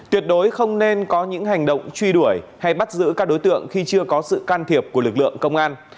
tuyệt đối không nên có những hành động truy đuổi hay bắt giữ các đối tượng khi chưa có sự can thiệp của lực lượng công an